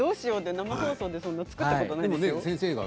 生放送で作ったことないんです。